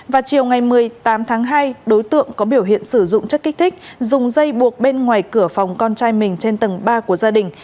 vào chiều ngày một mươi tám tháng hai đối tượng có biểu hiện sử dụng chất kích thích dùng dây buộc bên ngoài cửa phòng con trai mình trên tầng ba của gia đình